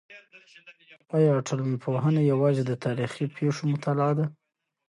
آیا ټولنپوهنه یوازې د تاریخي پېښو مطالعه ده؟